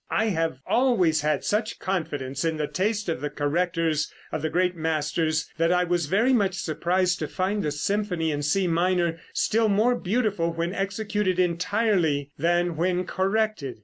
I have always had such confidence in the taste of the correctors of the great masters that I was very much surprised to find the symphony in C minor still more beautiful when executed entirely than when corrected.